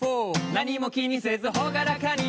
「何も気にせず朗らかに」